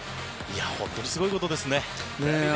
本当にすごいことですね。